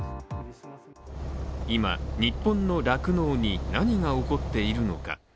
今、日本の酪農に何が起こっているのか。